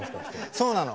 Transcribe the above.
そうなの。